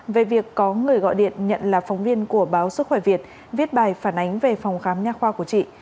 về việc có người gọi điện nhận là phóng viên của báo sức khỏe việt viết bài phản ánh về phòng khám nhà khoa của chị